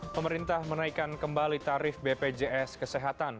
pemerintah menaikkan kembali tarif bpjs kesehatan